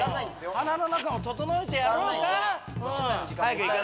鼻の中も整えてやろうか。